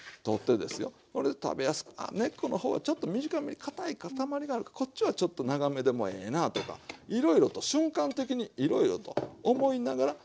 これで食べやすくあ根っこの方はちょっと短めにかたい塊があるからこっちはちょっと長めでもええなあとかいろいろと瞬間的にいろいろと思いながら盛りつけるわけです。